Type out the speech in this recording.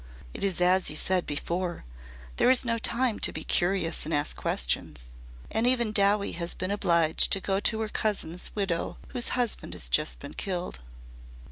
It is as you said before there is no time to be curious and ask questions. And even Dowie has been obliged to go to her cousin's widow whose husband has just been killed."